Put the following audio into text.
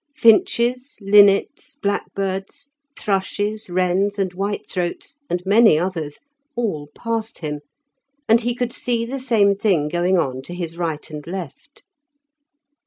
Finches, linnets, blackbirds, thrushes, wrens, and whitethroats, and many others, all passed him, and he could see the same thing going on to his right and left.